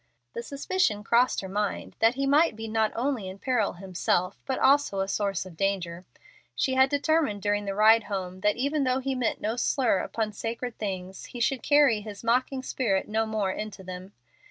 The suspicion crossed her mind that he might be not only in peril himself but also a source of danger. She had determined during the ride home that even though he meant no slur upon sacred things he should carry his mocking spirit no more into them.